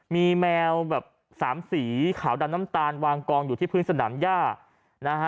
มีแมวแบบสามสีขาวดำน้ำตาลวางกองอยู่ที่พื้นสนามย่านะฮะ